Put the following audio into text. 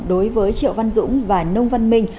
đối với triệu văn dũng và nông văn minh